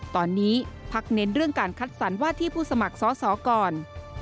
ตอนนี้พักเน้นเรื่องการคัดสรรว่าที่ผู้สมัครสอสอก่อน